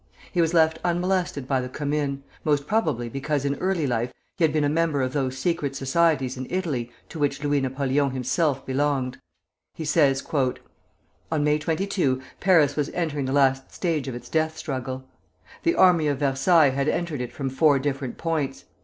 He was left unmolested by the Commune, most probably because in early life he had been a member of those secret societies in Italy to which Louis Napoleon himself belonged. He says, [Footnote 1: Published in Fraser's Magazine, 1879.] "On May 22 Paris was entering the last stage of its death struggle. The army of Versailles had entered it from four different points.